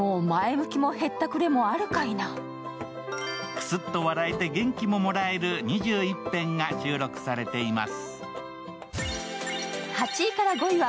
くすっと笑えて元気ももらえる２１編が収録されています。